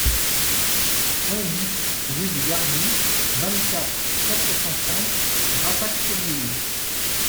un BIS rue du Gardou, vingt-quatre, quatre cent trente, Razac-sur-l'Isle